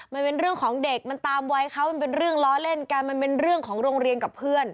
มันเป็นเรื่องของเด็กมันตามวัยเขามันเป็นเรื่องล้อเล่นกันมันเป็นเรื่องของโรงเรียนกับเพื่อน